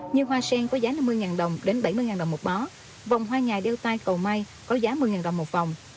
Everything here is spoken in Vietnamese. như hoa sen có giá năm mươi đồng đến bảy mươi đồng một bó vòng hoa nhà đeo tay cầu may có giá một mươi đồng một vòng